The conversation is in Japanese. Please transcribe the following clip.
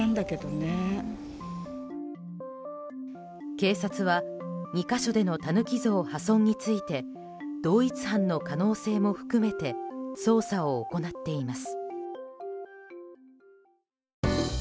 警察は２か所でのタヌキ像破損について同一犯の可能性も含めて捜査を行っています。